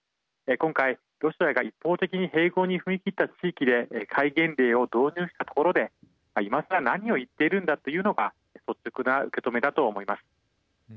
今回、ロシアが一方的に併合に踏み切った地域で戒厳令を導入したところでいまさら何を言っているのだというのが率直な受け止めだと思います。